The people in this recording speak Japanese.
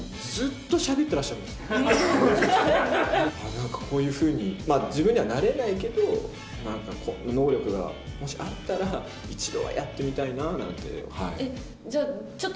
なんかこういうふうに、自分にはなれないけど、なんかこう、能力がもしあったら、えっ、じゃあ、ちょっと。